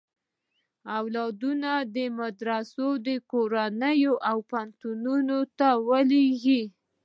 اولادونه مدرسو، کورسونو او پوهنتونونو ته ولېږي.